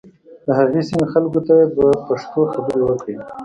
د هغې سیمې خلکو ته یې په پښتو خبرې وکړې.